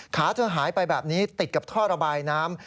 ขาเธอหายไปแบบนี้ติดกับท่อระบายน้ำ